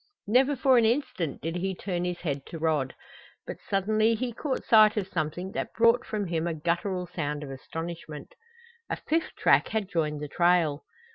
Never for an instant did he turn his head to Rod. But suddenly he caught sight of something that brought from him a guttural sound of astonishment. A fifth track had joined the trail!